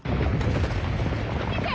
見て！